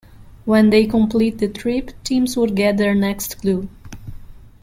When they complete the trip, teams would get their next clue.